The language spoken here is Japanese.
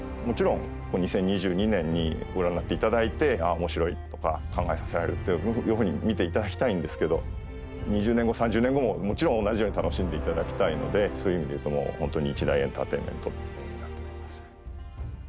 もちろん２０２２年にご覧になっていただいておもしろいとか考えさせられるっていうふうに見ていただきたいんですけど２０年後３０年後ももちろん同じように楽しんでいただきたいのでそういう意味でいうと本当に一大エンターテインメントになっています。